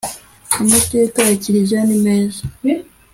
amateka ya Kiliziya nimeza